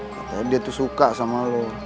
katanya dia tuh suka sama lo